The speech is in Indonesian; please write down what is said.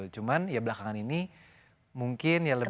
cuman ya belakangan ini mungkin ya lebih